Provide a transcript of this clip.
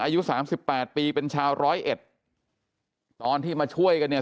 อายุสามสิบแปดปีเป็นชาวร้อยเอ็ดตอนที่มาช่วยกันเนี่ย